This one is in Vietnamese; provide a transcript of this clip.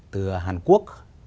từ hàn quốc